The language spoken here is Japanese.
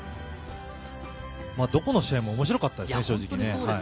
どこの試合も面白かったですね、正直。